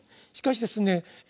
しかしですね